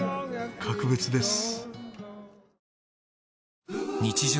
格別です。